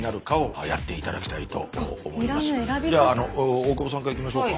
大久保さんからいきましょうか。